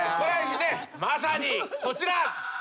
まさにこちら。